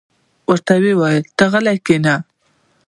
ورته ویې ویل: ته غلې کېنه.